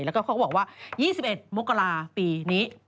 แล้วก็เขาก็บอกว่า๒๑มกราปีนี้